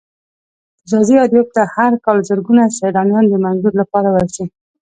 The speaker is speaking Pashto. ځاځي اريوب ته هر کال زرگونه سيلانيان د منظرو لپاره ورځي.